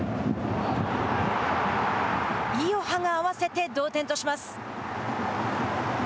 イヨハが合わせて同点とします。